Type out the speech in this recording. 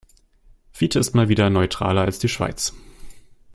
Fiete ist mal wieder neutraler als die Schweiz.